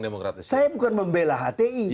demokratis saya bukan membela hti